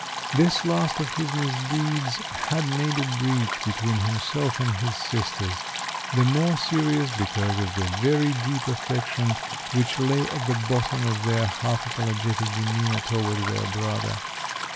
This last of his misdeeds had made a breach between himself and his sisters. The more serious, because of the very deep affection which lay at the bottom of their half apologetic demeanor toward their brother.